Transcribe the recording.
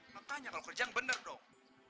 makanya kalau kerjaan benar dong